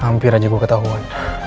hampir aja gue ketahuan